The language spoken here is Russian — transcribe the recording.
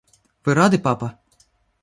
Вы рады, папа?